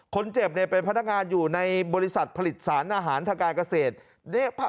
คนเจ็บเป็นพนักงานอยู่ในบริษัทผลิตสารอาหารทางการเกษตร